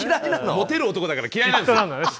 モテる男だから嫌いなんですよ。